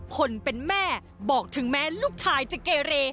คนเป็นแม่บอกถึงแม้ลูกชายจะเกเร